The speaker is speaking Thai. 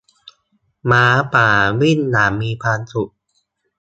ม้าป่า วิ่งอย่างมีความสุข